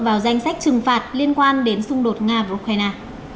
vào danh sách trừng phạt liên quan đến xung đột nga và ukraine